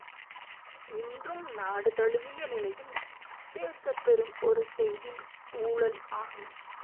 இன்றும் நாடு தழுவிய நிலையில் பேசப்பெறும் ஒரு செய்தி ஊழல் ஆகும்.